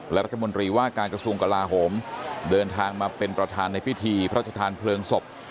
และรัฐมนตรีว่าการกระทรวงกลาโหมเดินทางมาเป็นประธานในพิธีพระชธานเพลิงศพ